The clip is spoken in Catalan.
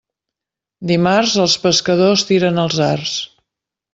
Dimarts, els pescadors tiren els arts.